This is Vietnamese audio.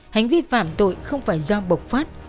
hành vi phạm tội không phải do bộc phát